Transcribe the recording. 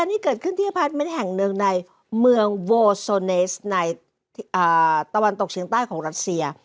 นี่เกิดขึ้นที่อพาร์ทเมนต์แห่งหนึ่งในเมืองโวโซเนสในตะวันตกเชียงใต้ของรัสเซีย